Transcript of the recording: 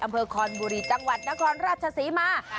อำเภอคอนบุรีตนครราชสีมา